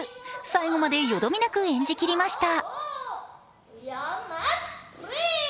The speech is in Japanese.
最後まで、よどみなく演じ切りました。